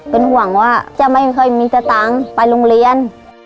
เป็นห่วงว่าจะไม่เคยมีสตังค์ไปโรงเรียน